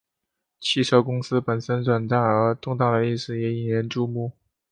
汽车公司本身短暂而动荡的历史也引人注目。